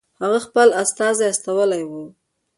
هغه خپل استازی استولی وو.